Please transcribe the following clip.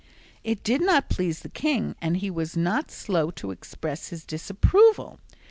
It did not please the king and he was not slow to express his disapproval.